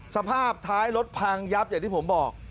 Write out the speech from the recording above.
สภาพท้ายรถพังยับอย่างที่ผมบอก